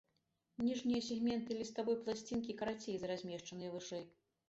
Ніжнія сегменты ліставой пласцінкі карацей за размешчаныя вышэй.